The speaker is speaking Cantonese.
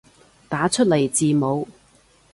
打出來字母